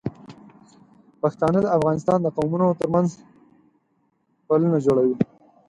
پښتانه د افغانستان د قومونو تر منځ پلونه جوړوي.